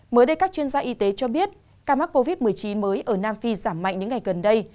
mới đây các chuyên gia y tế cho biết ca mắc covid một mươi chín mới ở nam phi giảm mạnh những ngày gần đây